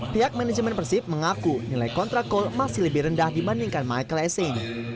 pihak manajemen persib mengaku nilai kontrak cole masih lebih rendah dibandingkan michael essing